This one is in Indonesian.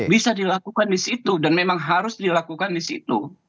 bisa dilakukan di situ dan memang harus dilakukan di situ